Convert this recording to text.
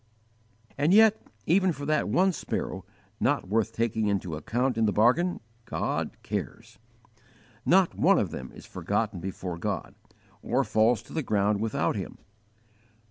And yet even for that one sparrow, not worth taking into account in the bargain, God cares. Not one of them is forgotten before God, or falls to the ground without Him.